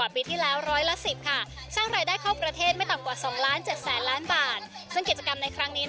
ไม่ต่ำกว่า๒๗๐๐๐๐๐บาทซึ่งกิจกรรมในครั้งนี้